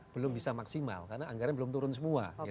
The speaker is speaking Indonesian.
belum bisa maksimal karena anggaran belum turun semua